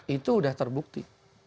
itu sudah terbukti